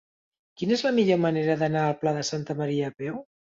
Quina és la millor manera d'anar al Pla de Santa Maria a peu?